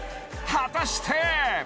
果たして？